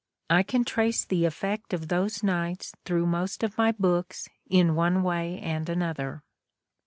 I can trace the effect of those nights through most of my books in one way and another."